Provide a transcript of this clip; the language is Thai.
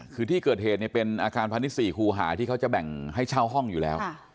คือที่เกิดเหตุเนี่ยเป็นอาคารพาณิชย์๔คูหาที่เขาจะแบ่งให้เช่าห้องอยู่แล้ว